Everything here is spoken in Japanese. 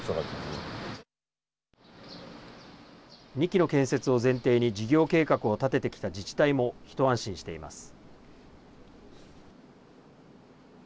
２基の建設を前提に事業計画を立ててきた自治体も一安心しています。